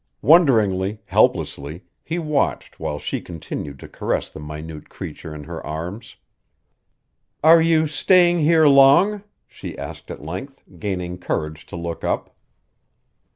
Wonderingly, helplessly, he watched while she continued to caress the minute creature in her arms. "Are you staying here long?" she asked at length, gaining courage to look up.